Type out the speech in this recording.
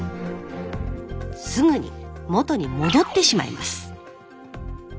すぐに元に戻ってしまいます。